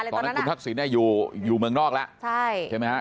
ตอนนั้นคุณทักศิลป์เนี้ยอยู่อยู่เมืองนอกแล้วใช่ใช่ไหมฮะ